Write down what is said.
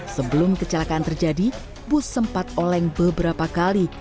sebelum kecelakaan terjadi bus sempat oleng beberapa kali